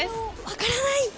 分からない！